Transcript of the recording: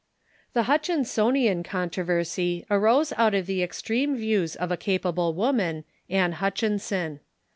The Ilutchinsonian controversy arose out of the extreme views of a capable Avoman, Ann Hutchinson.